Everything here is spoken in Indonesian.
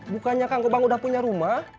bukannya kang kubang udah punya rumah